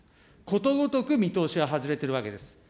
ことごとく見通しは外れているわけです。